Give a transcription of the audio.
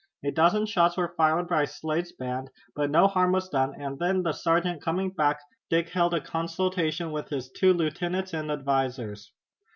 A dozen shots were fired by Slade's band, but no harm was done, and then, the sergeant coming back, Dick held a consultation with his two lieutenants and advisers.